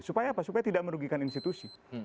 supaya apa supaya tidak merugikan institusi